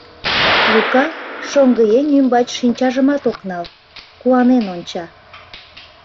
Лука шоҥгыеҥ ӱмбач шинчажымат ок нал, куанен онча.